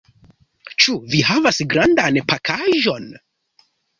Ĉu vi havas grandan pakaĵon?